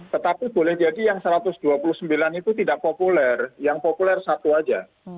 tetapi boleh jadi yang satu ratus dua puluh sembilan itu tidak populer yang populer satu saja